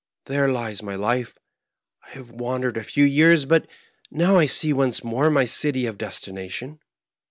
There lies my life ; I have wandered a few years, but now I see once more my city of destination."